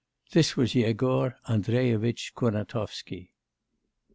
This was Yegor Andreyevitch Kurnatovsky.